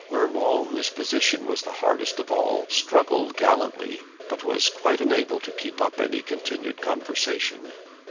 Urmand, whose position was the hardest of all, struggled gallantly, but was quite unable to keep up any continued conversation.